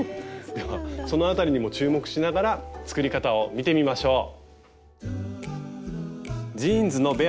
ではその辺りにも注目しながら作り方を見てみましょう。